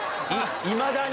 いまだに？